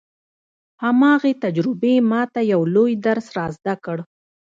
هماغې تجربې ما ته يو لوی درس را زده کړ.